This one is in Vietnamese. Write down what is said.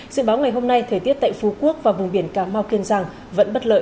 dự báo ngày hôm nay thời tiết tại phú quốc và vùng biển cà mau kiên giang vẫn bất lợi